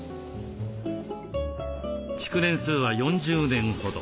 築年数は４０年ほど。